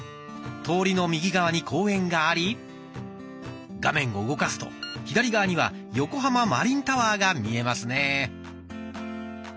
通りの右側に公園があり画面を動かすと左側には「横浜マリンタワー」が見えますね。